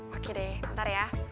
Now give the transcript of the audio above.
oke deh ntar ya